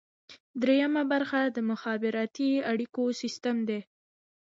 دریمه برخه د مخابراتي اړیکو سیستم دی.